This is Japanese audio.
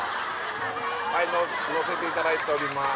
はい乗せていただいております